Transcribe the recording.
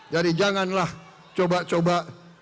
jadi janganlah coba coba